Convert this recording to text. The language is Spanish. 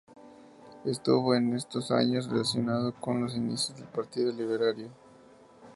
Estuvo en estos años relacionado con los inicios del Partido Libertario.